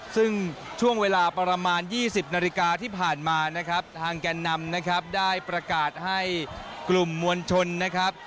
ซึ่งช่วงเวลาประมาณ๒๐นาฬิกาที่ผ่านมานะครับทางแก่นนำนะครับได้ประกาศให้กลุ่มมวลชนนะครับ